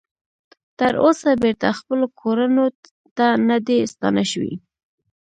تر اوسه بیرته خپلو کورونو ته نه دې ستانه شوي